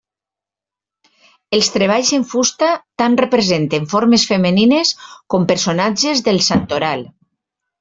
Els treballs en fusta tant representen formes femenines com personatges del santoral.